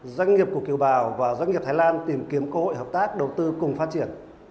doanh nghiệp của kiều bào và doanh nghiệp thái lan tìm kiếm cơ hội hợp tác đầu tư cùng phát triển